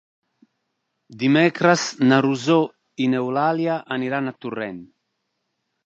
Dimecres na Rosó i n'Eulàlia aniran a Torrent.